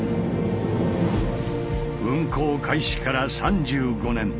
運行開始から３５年。